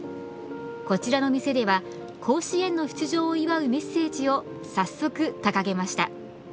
こちらの店では甲子園の出場を祝うメッセージをさっそく掲げました。